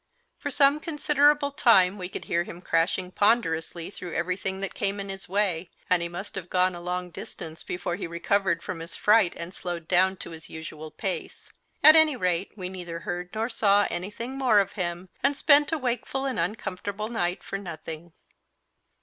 For some considerable time we could hear him crashing ponderously through everything that came in his way, and he must have gone a long distance before he recovered from his fright and slowed down to his usual pace. At any rate we neither heard nor saw anything more of him, and spent a wakeful and uncomfortable night for nothing.